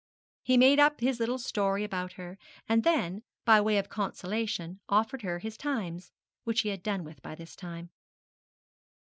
He made up his little story about her, and then, by way of consolation, offered her his Times, which he had done with by this time.